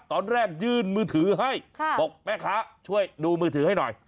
ตอนแรกยื่นมือถือให้บอกแม่ค้าช่วยดูมือถือให้หน่อย